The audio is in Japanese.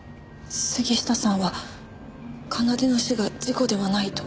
杉下さんは奏の死が事故ではないと？